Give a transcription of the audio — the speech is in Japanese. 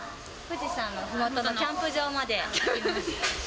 富士山のふもとのキャンプ場まで。